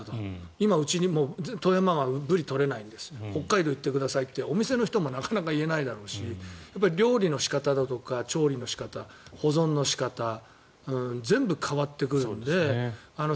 今、うち富山湾、ブリ取れないんです北海道言ってくださいってお店の人もなかなか言えないだろうし料理の仕方だとか調理の仕方保存の仕方全部変わってくるんだよね。